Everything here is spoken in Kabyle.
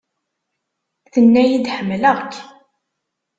Tenna-yi-d ḥemmleɣ-k.